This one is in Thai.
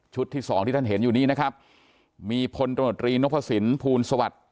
ที่สองที่ท่านเห็นอยู่นี้นะครับมีพลตมตรีนพสินภูลสวัสดิ์